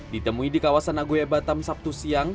ditemui di kawasan agoya batam sabtu siang